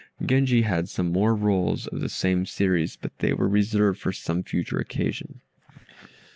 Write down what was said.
Genji had some more rolls of the same series, but they were reserved for some future occasion.